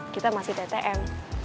kita masih ttm